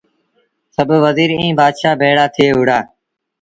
سڀ وزير ائيٚݩ بآتشآ ڀيڙآ ٿئي وهُڙآ